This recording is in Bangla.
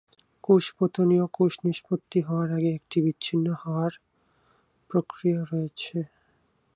কোষপতনীয় কোষ নিষ্পত্তি হওয়ার আগে একটি বিচ্ছিন্ন হওয়ার প্রক্রিয়া রয়েছে।